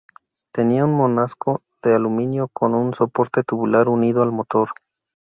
Tenía un monocasco de aluminio con un soporte tubular unido al motor.